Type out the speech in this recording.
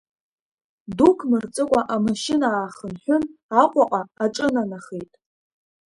Дук мырҵыкәа амашьына аахынҳәын Аҟәаҟа аҿынанахеит.